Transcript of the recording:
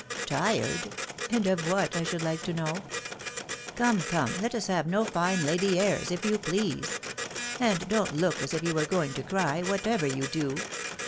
" Tired ?.... and of what, I should like to know ? Come, come, let us have no fine lady airs, if you please ; and don't look as if you were going to cry, whatever you do.